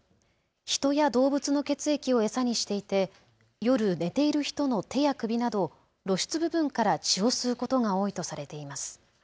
人や動物の血液を餌にしていて夜、寝ている人の手や首など露出部分から血を吸うことが多いとされています。